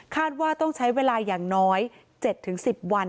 ว่าต้องใช้เวลาอย่างน้อย๗๑๐วัน